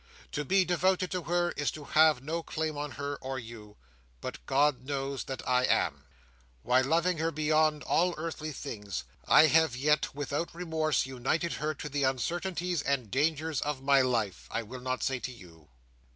To be devoted to her is to have no claim on her or you, but God knows that I am. "'Why, loving her beyond all earthly things, I have yet, without remorse, united her to the uncertainties and dangers of my life, I will not say to you.